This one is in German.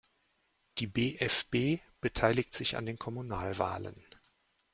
Die BfB beteiligt sich an den Kommunalwahlen.